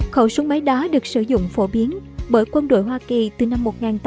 khẩu súng máy đó được sử dụng phổ biến bởi quân đội hoa kỳ từ năm một nghìn tám trăm chín mươi sáu